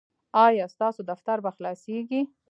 ایا ستاسو دفتر به خلاصیږي؟